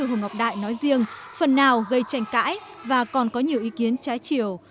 từ hùng ngọc đại nói riêng phần nào gây tranh cãi và còn có nhiều ý kiến trái chiều